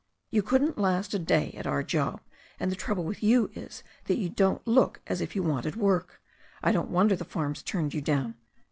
You couldn't last a day at our job. And the trouble with you is that you don't look as if you wanted work. I don't wonder the farms turned you down.